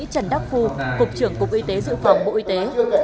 trần đắc phu cục trưởng cục y tế dự phòng bộ y tế